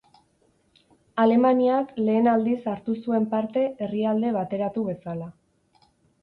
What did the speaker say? Alemaniak lehen aldiz hartu zuen parte herrialde bateratu bezala.